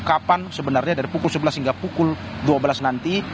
kapan sebenarnya dari pukul sebelas hingga pukul dua belas nanti